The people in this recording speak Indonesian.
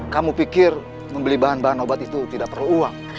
kamu pikir membeli bahan bahan obat itu tidak perlu uang